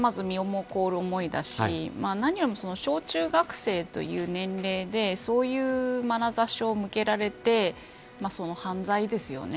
親としては身も凍る思いですし何よりも小中学生という年齢でそういう、まなざしを向けられて犯罪ですよね。